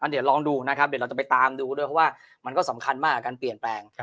เดี๋ยวลองดูนะครับเดี๋ยวเราจะไปตามดูด้วยเพราะว่ามันก็สำคัญมากกับการเปลี่ยนแปลง